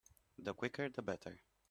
The quicker the better.